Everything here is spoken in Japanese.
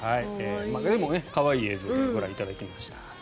でも、可愛い映像をご覧いただきました。